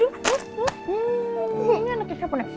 hmm kayaknya anaknya siapa nih